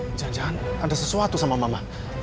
jangan jangan ada sesuatu sama mama